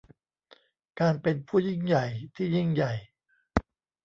การเป็นผู้ยิ่งใหญ่ที่ยิ่งใหญ่